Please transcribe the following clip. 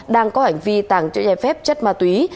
đang có hành vi tàng trợ giải phép chất ma túy